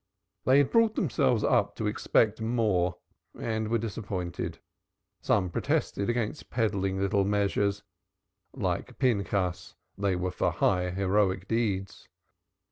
They had brought themselves up to expect more and were disappointed. Some protested against peddling little measures like Pinchas they were for high, heroic deeds.